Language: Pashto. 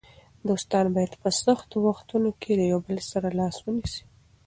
دوستان باید په سختو وختونو کې د یو بل لاس ونیسي.